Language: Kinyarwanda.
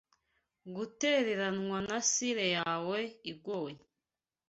gutereranwa na Sire yawe igoye